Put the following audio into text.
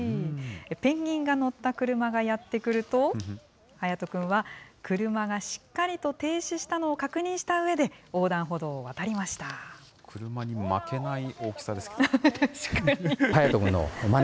ペンギンが乗った車がやって来ると、ハヤトくんは、車がしっかりと停止したのを確認したうえで、車にも負けない大きさですね。